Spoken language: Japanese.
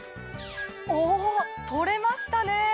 お取れましたね！